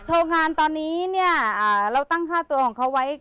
โชว์งานตอนนี้เนี่ยเราตั้งค่าตัวของเขาไว้